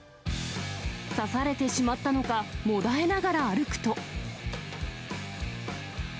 刺されてしまったのか、もだえながら歩くと。